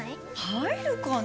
入るかな。